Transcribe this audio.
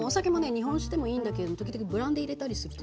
日本酒でもいいんだけれど時々ブランデー入れたりすると。